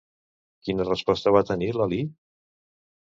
Quina resposta va tenir Lalí?